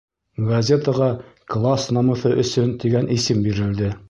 Газетаға «Класс намыҫы өсөн!» тигән исем бирелде.